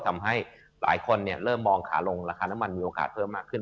ทำให้หลายคนเริ่มมองขาลงราคาน้ำมันมีโอกาสเพิ่มมากขึ้น